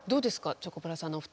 チョコプラさんのお二人。